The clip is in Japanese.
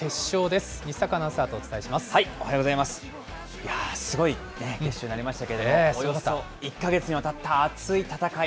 すごい決勝になりましたけれども、およそ１か月にわたった熱い戦い。